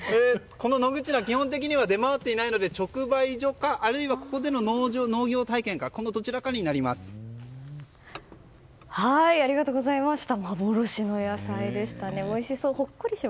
この野口菜は基本的には出回っていないので、直売所かあるいはここでの農業体験かありがとうございました。